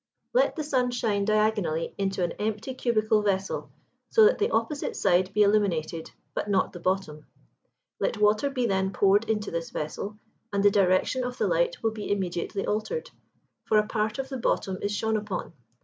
Let the sun shine diagonally into an empty cubical vessel, so that the opposite side be illumined, but not the bottom: let water be then poured into this vessel, and the direction of the light will be immediately altered; for a part of the bottom is shone upon.